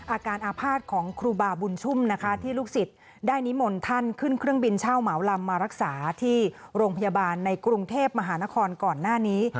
อาการอาภาษณ์ของครูบาบุญชุ่มนะคะที่ลูกศิษย์ได้นิมนต์ท่านขึ้นเครื่องบินเช่าเหมาลำมารักษาที่โรงพยาบาลในกรุงเทพมหานครก่อนหน้านี้